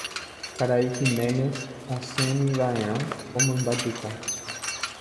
Karai Giménez osẽmiva'erã omymbajuka.